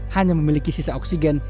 hanya memiliki sisa oksigen